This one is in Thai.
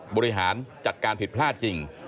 บริหารจัดการผิดพลาดจริง